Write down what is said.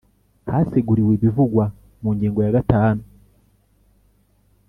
Haseguriwe ibivugwa mu ngingo ya gatanu